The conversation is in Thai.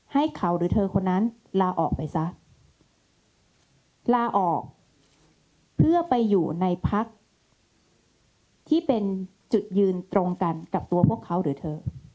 ให้เขาหรือเธอคนนั้นลาออกไปซะลาออกเพื่อไปอยู่ในพักที่เป็นจุดยืนตรงกันกับตัวพวกเขาหรือเธอ